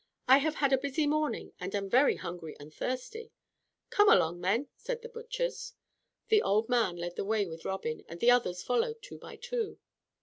I have had a busy morning and am very hungry and thirsty." "Come along, then," said the butchers. The old man led the way with Robin, and the others followed two by two.